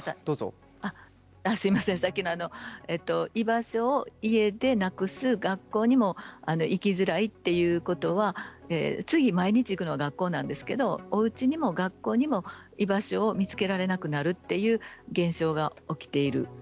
さっきの居場所を家でなくす学校でも生きづらいということは毎日行くのは学校なんですけれどおうちにも学校にも居場所を見つけられなくなるという現象が起きている。